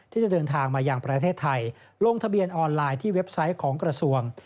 ที่จะเดินทางมายังประเทศไทยลงทะเบียนออนไลน์ที่เว็บไซต์ของกระทรวง